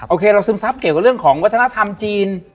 โคเราซึมซับเกี่ยวกับเรื่องของวัฒนธรรมจีน